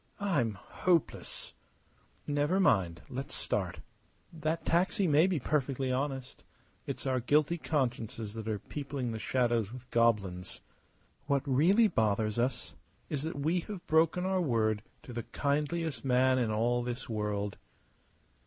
I'm hopeless!" "Never mind. Let's start. That taxi may be perfectly honest. It's our guilty consciences that are peopling the shadows with goblins. What really bothers us is that we have broken our word to the kindliest man in all this world."